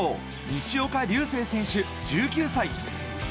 西岡隆成選手、１９歳。